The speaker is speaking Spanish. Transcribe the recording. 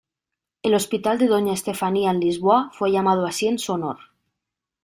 El Hospital de Doña Estefanía, en Lisboa, fue llamado así en su honor.